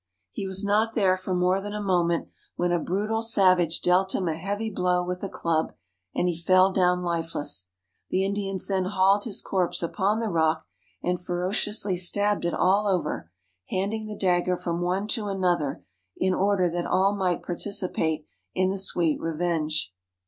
He was not there for more than a moment, when a brutal savage dealt him a heavy blow with a club, and he fell down lifeless. The Indians then hauled his corpse upon the rock, and ferociously stabbed it all over, handing the dagger from one to another, in order that all might participate in the sweet revenge.